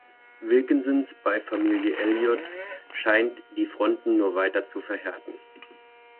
Wilkinsons bei Familie Elliot scheint die Fronten nur weiter zu verhärten.